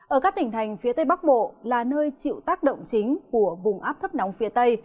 ở các tỉnh thành phía tây bắc bộ là nơi chịu tác động chính của vùng áp thấp nóng phía tây